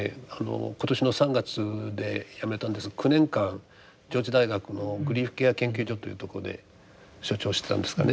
今年の３月で辞めたんですが９年間上智大学のグリーフケア研究所というところで所長してたんですがね